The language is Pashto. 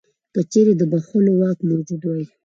که چیرې د بخښلو واک موجود وای.